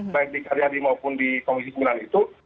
baik di karyadi maupun di komisi sembilan itu